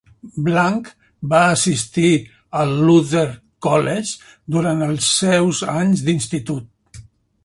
Blanck va assistir al Luther College durant els seus anys d'institut.